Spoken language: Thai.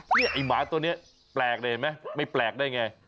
นี่ไอ้หมาตัวนี้แปลกเลยเห็นไหมไม่แปลกได้ไง